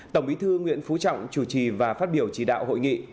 tổng bí thư nguyễn phú trọng chủ trì và phát biểu chỉ đạo hội nghị